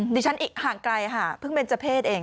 ดิฉันห่างไกลค่ะเพิ่งเป็นเจอเพศเอง